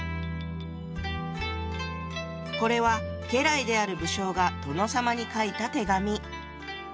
これは家来である武将が殿様に書いた手紙。